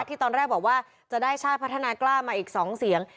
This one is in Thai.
ที่ตอนแรกบอกว่าจะได้ชาติพัฒนากล้ามาอีก๒เสียง